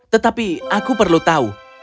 tetapi aku perlu tahu